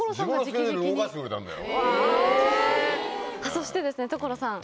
そしてですね所さん。